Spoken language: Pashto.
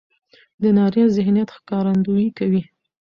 د نارينه ذهنيت ښکارندويي کوي.